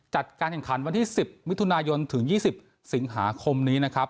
จัดการแข่งขันวันที่๑๐มิถุนายนถึง๒๐สิงหาคมนี้นะครับ